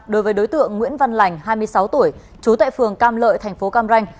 đối với đối tượng nguyễn văn lành hai mươi sáu tuổi chú tại phường cam lợi tp cam ranh